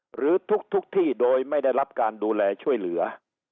หรือทุกที่โดยไม่ได้รับการดูแลช่วยเหลือ